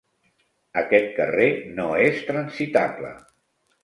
Aquest carrer no és transitable.